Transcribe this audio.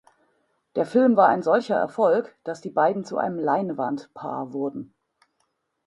Der Film war ein solcher Erfolg, dass die beiden zu einem Leinwandpaar wurden.